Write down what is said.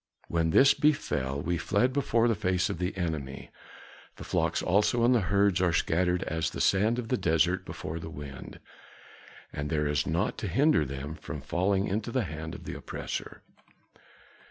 When this befell, we fled before the face of the enemy; the flocks also and the herds are scattered as the sand of the desert before the wind, and there is nought to hinder them from falling into the hand of the oppressor."